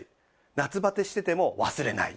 夏バテしてても忘れない。